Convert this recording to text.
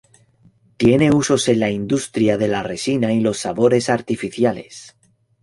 Tiene usos en la industria de la resina y los sabores artificiales.